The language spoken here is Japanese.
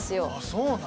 そうなん？